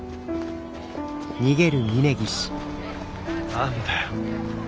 何だよ。